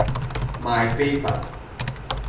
賣飛佛